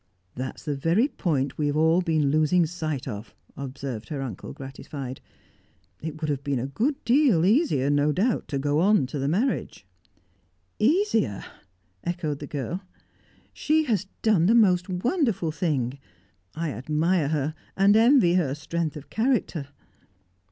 "That's the very point we have all been losing sight of," observed her uncle, gratified. "It would have been a good deal easier, no doubt, to go on to the marriage." "Easier!" echoed the girl. "She has done the most wonderful thing! I admire her, and envy her strength of character."